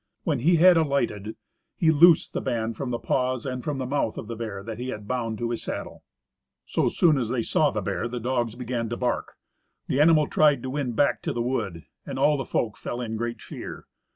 When he had alighted, he loosed the band from the paws and from the mouth of the bear that he had bound to his saddle. So soon as they saw the bear, the dogs began to bark. The animal tried to win back to the wood, and all the folk fell in great fear.